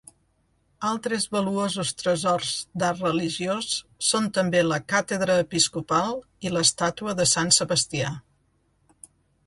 Altres valuosos tresors d'art religiós són també la Càtedra episcopal i l'estàtua de Sant Sebastià.